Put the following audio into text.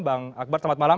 bang akbar selamat malam